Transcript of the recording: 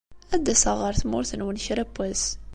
Ad d-aseɣ ɣer tmurt-nwen kra n wass.